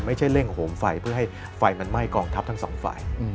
เร่งโหมไฟเพื่อให้ไฟมันไหม้กองทัพทั้งสองฝ่าย